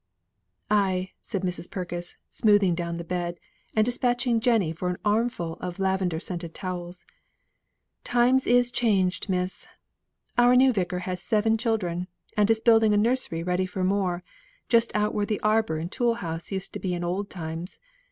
"Aye!" said Mrs. Purkis, smoothing down the bed, and despatching Jenny for an armful of lavender scented towels, "times is changed, miss; our new Vicar has seven children, and is building a nursery ready for more, just where the arbour and tool house used to be in old times.